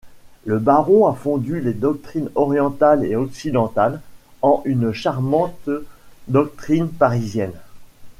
Le baron a fondu les doctrines orientales et occidentales en une charmante doctrine parisienne.